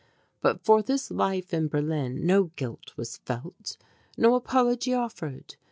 But for this life in Berlin no guilt was felt, no apology offered.